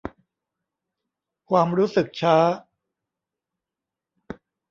ความรู้สึกช้า